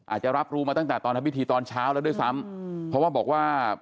อาจจะรับรู้มาตั้งแต่ตอนทำพิธีตอนเช้าแล้วด้วยซ้ำเพราะว่าบอกว่า